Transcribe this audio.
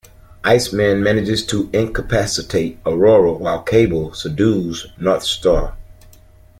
Iceman manages to incapacitate Aurora while Cable subdues Northstar.